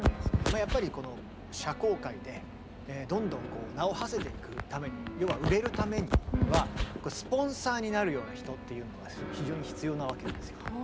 やっぱりこの社交界でどんどん名をはせていくために要は売れるためにはスポンサーになるような人っていうのが非常に必要なわけなんですよ。